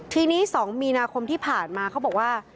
ทีนี้๒มีนาคมที่ผ่านมาเขาบอกว่า